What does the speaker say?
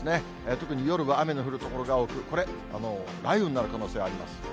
特に夜は雨の降る所が多く、雷雨になる可能性があります。